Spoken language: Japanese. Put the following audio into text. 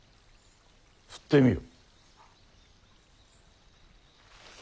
振ってみよ。